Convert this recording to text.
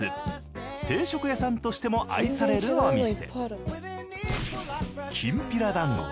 定食屋さんとしても愛されるお店。